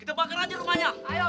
kita pake aja rumahnya